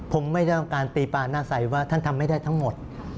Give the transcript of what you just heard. ผมไม่ได้ต้องการตีปลาหน้าใสว่าท่านทำไม่ได้ทั้งหมด